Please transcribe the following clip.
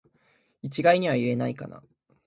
一概には言えないかな